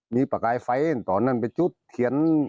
มีปากายไฟตอนนั้นไปที่ทีน